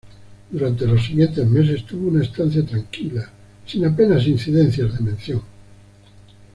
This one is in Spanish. Durante los siguientes meses tuvo una estancia tranquila, sin apenas incidencias de mención.